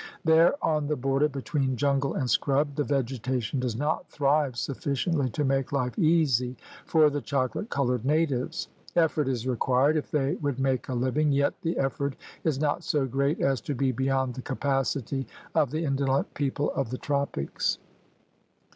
There on the border between jungle and scrub the vegetation does not thrive suffi ciently to make life easy for the chocolate colored natives. Effort is required if they would make a living, yet the effort is not so great as to be beyond the capacity of the indolent people of the tropics.